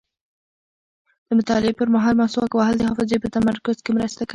د مطالعې پر مهال مسواک وهل د حافظې په تمرکز کې مرسته کوي.